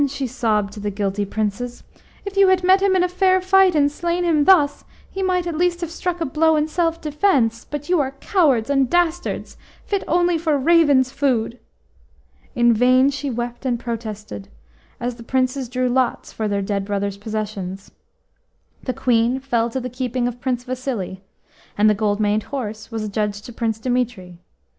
she sobbed to the guilty Princes. "If you had met him in fair fight, and slain him thus, he might at least have struck a blow in self defence. But you are cowards and dastards, fit only for ravens' food!" In vain she wept and protested, as the Princes drew lots for their dead brother's possessions. The Queen fell to the keeping of Prince Vasili, and the gold maned horse was adjudged to Prince Dimitri.